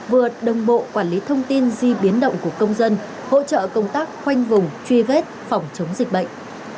vừa đồng bộ quản lý thông tin di biến động của công dân hỗ trợ công tác khoanh vùng truy vết phòng chống dịch bệnh